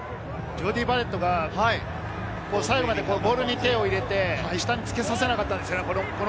ジョーディー・バレットが、最後までボールに手を入れて、下につけさせなかったんですね。